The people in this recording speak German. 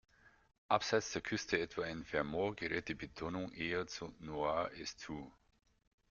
Abseits der Küste, etwa in Vermont, gerät die Betonung eher zu "„noar-eastuh“".